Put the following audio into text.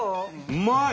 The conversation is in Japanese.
うまい！